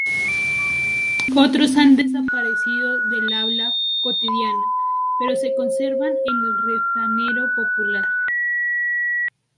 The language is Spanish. Otros han desaparecido del habla cotidiana, pero se conservan en el refranero popular.